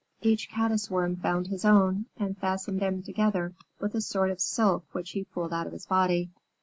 Each Caddis Worm found his own, and fastened them together with a sort of silk which he pulled out of his body.